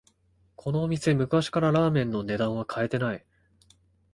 このお店、昔からラーメンの値段は変えてない